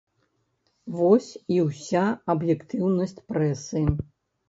Вось і ўся аб'ектыўнасць прэсы.